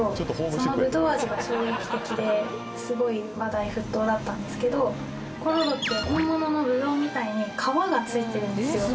そのぶどう味が衝撃的ですごい話題沸騰だったんですけどコロロって本物のぶどうみたいに皮がついてるんですよ